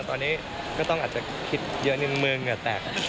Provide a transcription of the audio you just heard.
ตอนนี้ก็ต้องอาจจะคิดเยอะนิดนึงมือเหงื่อแตก